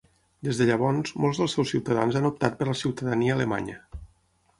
Des de llavors, molts dels seus ciutadans han optat per la ciutadania alemanya.